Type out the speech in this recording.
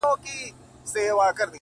زلفي راټال سي گراني .